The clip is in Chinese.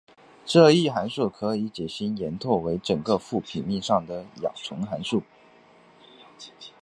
这一函数可以解析延拓为整个复平面上的亚纯函数。